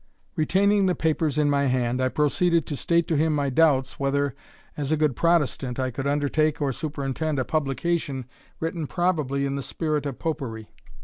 Retaining the papers in my hand, I proceeded to state to him my doubts, whether, as a good Protestant, I could undertake or superintend a publication written probably in the spirit of Popery.